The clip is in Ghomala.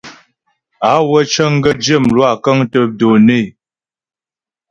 Á wə́ cəŋ gaə̂ zhyə́ mlwâ kə́ŋtə́ données.